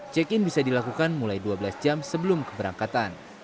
check in bisa dilakukan mulai dua belas jam sebelum keberangkatan